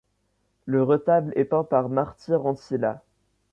Le retable est peint par Martti Ranttila.